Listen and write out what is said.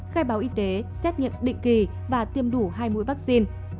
khai báo y tế xét nghiệm định kỳ và tiêm đủ hai mũi vaccine